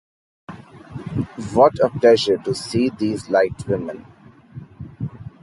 What a pleasure to see these light women...